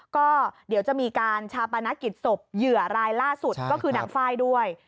ก็เดี๋ยวจะมีการชาปนกิจศพเหยื่อรายล่าสุดก็คือนางไฟล์ด้วย